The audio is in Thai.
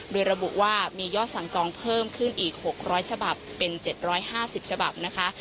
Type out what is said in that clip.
โดยระบุว่ามียอดสั่งจองเพิ่มขึ้นอีก๖๐๐ฉบับเป็น๗๕๐ฉบับนะคะ